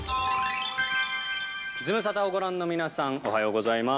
ズムサタをご覧の皆さん、おはようございます。